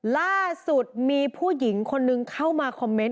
ล่าสุดมีผู้หญิงคนนึงเข้ามาคอมเมนต